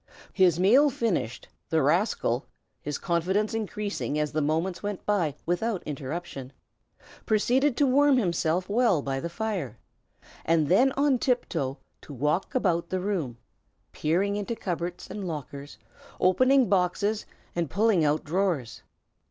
His meal finished, the rascal his confidence increasing as the moments went by without interruption proceeded to warm himself well by the fire, and then on tiptoe to walk about the room, peering into cupboards and lockers, opening boxes and pulling out drawers.